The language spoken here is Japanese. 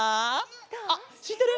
あっしってる？